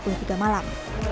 puncak arus balik